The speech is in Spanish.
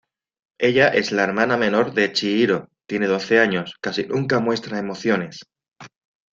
Ella es la hermana menor de Chihiro, tiene doce años, casi nunca muestra emociones.